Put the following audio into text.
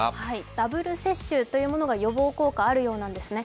ダブル接種というものが予防効果があるようなんですね。